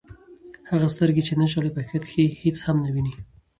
هغه سترګي، چي نه ژاړي په حقیقت کښي هيڅ هم نه ويني.